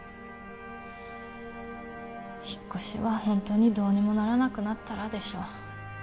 引っ越しはホントにどうにもならなくなったらでしょ